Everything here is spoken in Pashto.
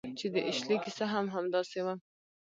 چې د اشلي کیسه هم همداسې وه